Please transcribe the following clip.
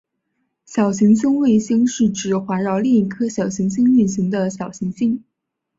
小行星卫星是指环绕另一颗小行星运行的小行星。